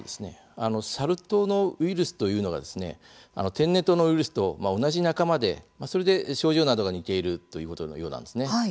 サル痘のウイルスというのが天然痘のウイルスと同じ仲間でそれで症状などが似ているということのようなんですね。